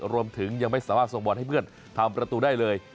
ยังไม่สามารถส่งบอลให้เพื่อนทำประตูได้เลย